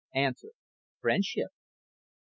FRIENDSHIP Q.